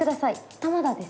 玉田です。